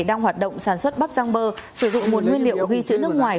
đang hoạt động sản xuất bắp giam bơ sử dụng nguồn nguyên liệu ghi chữ nước ngoài